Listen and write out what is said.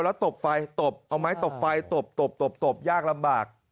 แล้วตบไฟตบเอาไม้ตบไฟตบตบตบยากลำบาก